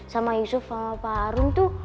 sama yusuf sama pak harun tuh